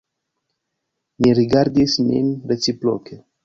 Ni rigardis nin reciproke.